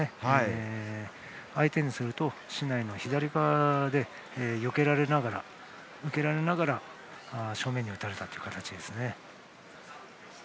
相手にすると竹刀が左側でよけられながら正面に打たれたという形ですね。